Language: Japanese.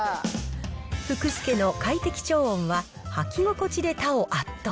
福助の快適調温は、履き心地で他を圧倒。